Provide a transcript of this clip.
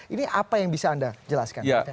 ini apa yang bisa anda jelaskan